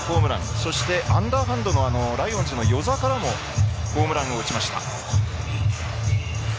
そしてアンダーハンドのライオンズの與座からもホームランを打ちました。